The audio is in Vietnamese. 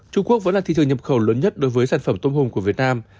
trung quốc vẫn là thị trường nhập khẩu lớn nhất đối với sản phẩm tôm hùm của việt nam